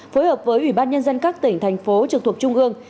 phối hợp với ủy ban nhân dân các tỉnh thành phố trực thuộc trung ương